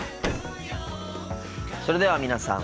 それでは皆さん